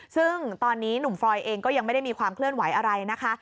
ซึ่งตอนนี้หนุ่มฟรอยเองก็ยังไม่ได้มีความเคลื่อนไหวอะไรนะคะ